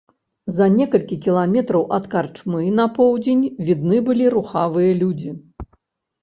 За некалькі кіламетраў ад карчмы на поўдзень відны былі рухавыя людзі.